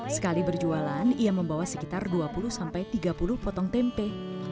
sekali berjualan ia membawa sekitar dua puluh tiga puluh potong tempe